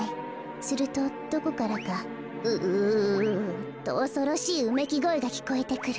するとどこからか「ウウウ」とおそろしいうめきごえがきこえてくる。